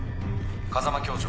風間教場